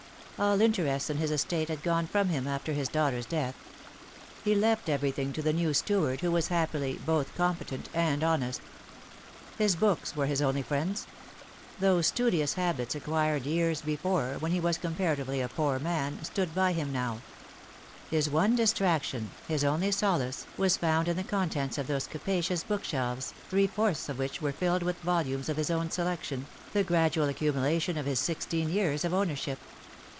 All interest in his estate had gone from him after his daughter's death. He left everything to the new steward, who was happily both competent and honest. His books were his only friends. Those studious habits acquired years before, when he was comparatively a poor man, ln*the Morning of Life. 257 stood by him now. His one distraction, his only solace, was found in the contents of those capacious bookshelves, three fourths of which were filled with volumes of his own selection, the gradual accumulation of his sixteen years of ownership.